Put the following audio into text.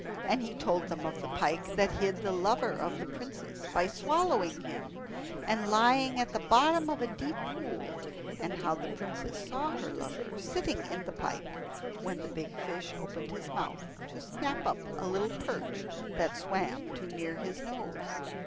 And he told them of the pike that hid the lover of the princess by swallowing him and lying at the bottom of a deep pool, and how the princess saw her lover sitting in the pike, when the big fish opened his mouth to snap up a little perch that swam too near his nose.